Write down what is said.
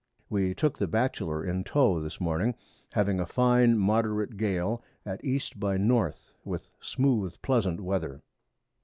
We took the Batchelor in towe this Morning, having a fine moderate Gale at E. by N. with smooth pleasant Weather.